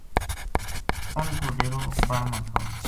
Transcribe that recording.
اُنھ کو ڈیرو بن ما تھو